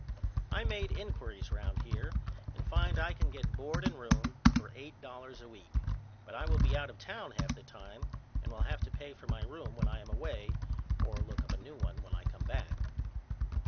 I made inquiries round here and find I can get board and room for eight dollars a week but I will be out of town half the time and will have to pay for my room when I am away or look up a new one when I come back.